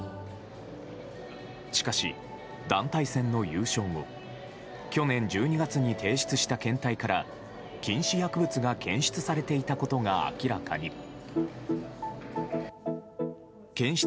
しかし、団体戦の優勝後去年１２月に提出した検体から禁止薬物が検出されていたことが明らかに。